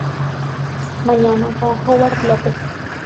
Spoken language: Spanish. Mañana" con Howard López.